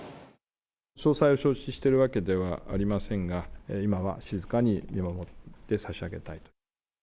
詳細を承知しているわけではありませんが、今は静かに見守ってさしあげたいと。